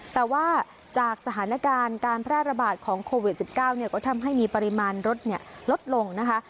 แต่ว่าจากสถานการณ์การพระราบาทของโควิดสิบเก้าเนี่ยก็ทำให้มีปริมาณรถเนี่ยลดลงนะคะ